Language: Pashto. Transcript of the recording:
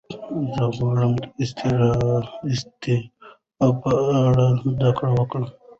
زه غواړم د اضطراب په اړه زده کړه وکړم.